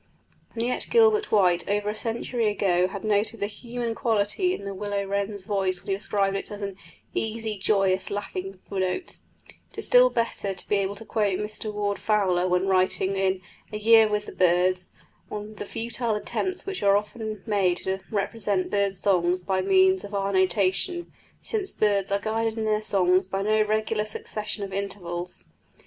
And yet Gilbert White over a century ago had noted the human quality in the willow wren's voice when he described it as an "easy, joyous, laughing note." It is still better to be able to quote Mr Warde Fowler, when writing in A Year with the Birds, on the futile attempts which are often made to represent birds' songs by means of our notation, since birds are guided in their songs by no regular succession of intervals.